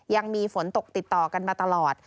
ยังมีฝนตกติดต่อกันมาตลอด